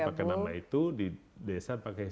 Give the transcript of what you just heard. pakai nama itu di desa pakai